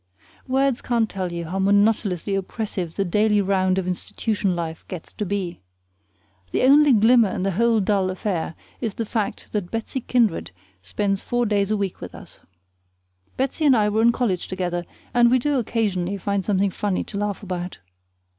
Words can't tell you how monotonously oppressive the daily round of institution life gets to be. The only glimmer in the whole dull affair is the fact that Betsy Kindred spends four days a week with us. Betsy and I were in college together, and we do occasionally find something funny to laugh about.